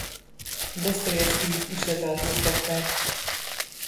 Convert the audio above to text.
Dosztojevszkijt is letartóztatták.